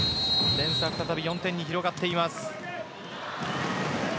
点差は再び４点に広がっています。